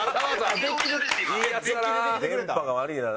電波が悪いんだな。